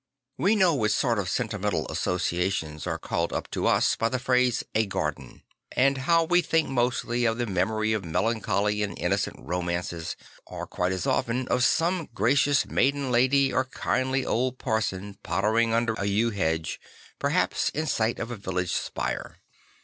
\Ve know what sort of sentimental associa tions are called up to us by the phrase II a garden"; and how we think mostly of the memory of melancholy and innocent romances, or quite as often of some gracious maiden lady or kindly old parson pottering under a yew hedge, perhaps in sight of a village spire.